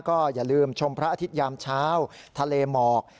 ก็อย่าลืมชมพระอาทิตยามเช้าทะเลหมอก